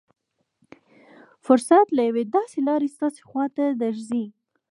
فرصت له يوې داسې لارې ستاسې خوا ته درځي.